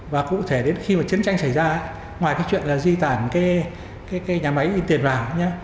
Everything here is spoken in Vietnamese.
và cụ thể đến khi mà chiến tranh xảy ra ngoài cái chuyện là di tản cái nhà máy in tiền vào nhé